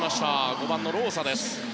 ５番のローサです。